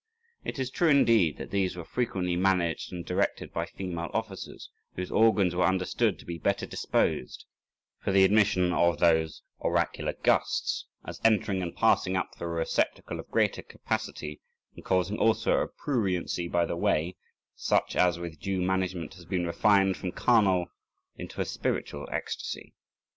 It is true indeed that these were frequently managed and directed by female officers, whose organs were understood to be better disposed for the admission of those oracular gusts, as entering and passing up through a receptacle of greater capacity, and causing also a pruriency by the way, such as with due management has been refined from carnal into a spiritual ecstasy.